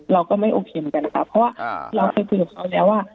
เราก็ไม่โอเคเหมือนกันค่ะเพราะว่าเราเคยคุยกับเขาแล้วว่า